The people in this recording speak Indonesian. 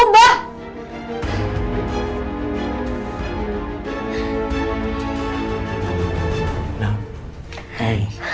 aku pikir kamu tuh sudah berubah